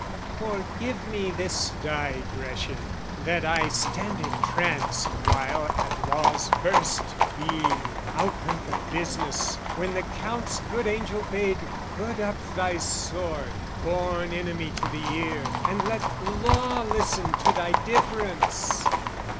Forgive me this digression that I stand Entranced awhile at Law's first beam, outbreak O' the business, when the Count's good angel bade "Put up thy sword, born enemy to the ear, "And let Law listen to thy difference!"